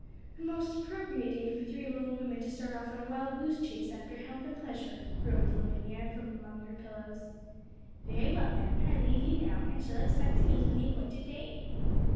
'A most appropriate day for three lone women to start off on a wild goose chase after health and pleasure,' groaned Lavinia from among her pillows. 'Very well, then; I leave you now, and shall expect to meet on the appointed day?'